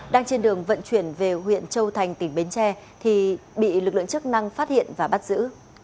đang trên đường vận chuyển về huyện châu thành tỉnh bến tre thì bị lực lượng chức năng phát hiện và bắt giữ